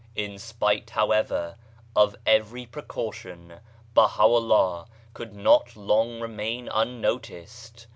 In spite, however, of every precaution, Baha'u'llah could not long remain un noticed.